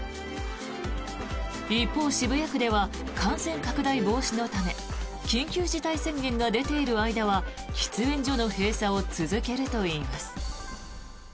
一方、渋谷区では感染拡大防止のため緊急事態宣言が出ている間は喫煙所の閉鎖を続けるといいます。